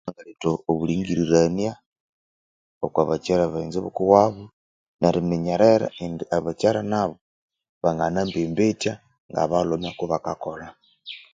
Byabiriletha Obulingirirania okwa bakyara baghenzi bukuwabo neri minyerera indi abakyara nabo bangana mbembethya nga balhume kuba kakolha